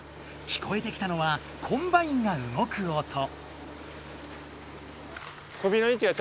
聞こえてきたのはコンバインがうごく音。